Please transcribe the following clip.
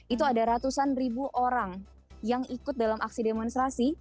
itu ada ratusan ribu orang yang ikut dalam aksi demonstrasi